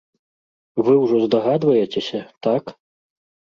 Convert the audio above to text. Вы ўжо здагадваецеся, так?